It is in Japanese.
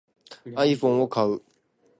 iPhone を買う